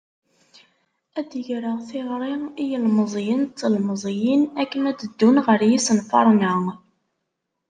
Ad d-greɣ tiɣri i yilemẓiyen d tlemẓiyin akken ad d-ddun ɣer yisenfaren-a.